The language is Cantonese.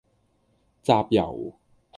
集郵